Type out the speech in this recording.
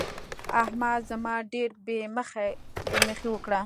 احمد زما ډېره بې مخي وکړه.